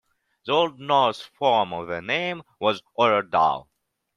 The Old Norse form of the name was "Aurardalr".